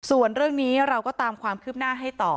ส่วนเรื่องนี้เราก็ตามความคืบหน้าให้ต่อ